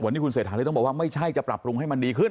วันนี้คุณเศรษฐาเลยต้องบอกว่าไม่ใช่จะปรับปรุงให้มันดีขึ้น